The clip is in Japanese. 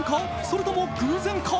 それとも偶然か？